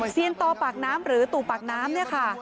เซียนต่อปากน้ำหรือตู่ปากน้ำเนี่ยค่ะ